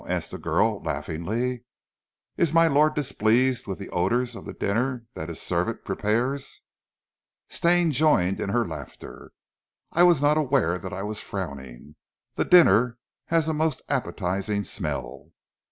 asked the girl laughingly. "Is my lord displeased with the odours of the dinner that his servant prepares?" Stane joined in her laughter. "I was not aware that I was frowning. The dinner has a most appetising smell."